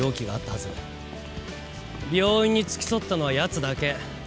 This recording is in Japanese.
病院に付き添ったのは奴だけ。